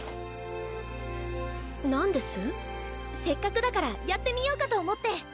せっかくだからやってみようかと思って。